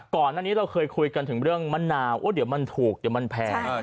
ก่อนหน้านี้เราเคยคุยกันถึงเรื่องมะนาวเดี๋ยวมันถูกเดี๋ยวมันแพง